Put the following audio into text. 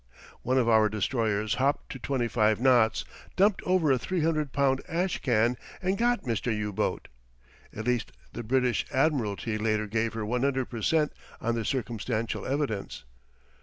One of our destroyers hopped to twenty five knots, dumped over a 300 pound "ash can," and got Mister U boat. At least, the British admiralty later gave her 100 per cent on the circumstantial evidence.